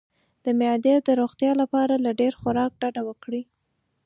د معدې د روغتیا لپاره له ډیر خوراک ډډه وکړئ